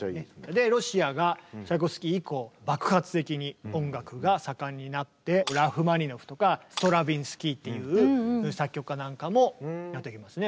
でロシアがチャイコフスキー以降爆発的に音楽が盛んになってラフマニノフとかストラヴィンスキーっていう作曲家なんかもやってきますね。